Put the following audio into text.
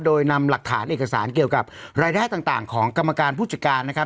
โดยนำหลักฐานเอกสารเกี่ยวกับรายได้ต่างของกรรมการผู้จัดการนะครับ